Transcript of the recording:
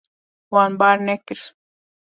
Wan bar nekir.